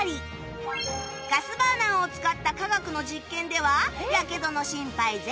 ガスバーナーを使った化学の実験ではやけどの心配０